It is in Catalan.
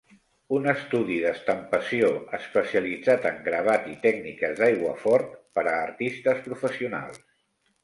Un estudi d'estampació, especialitzat en gravat i tècniques d'aiguafort, per a artistes professionals.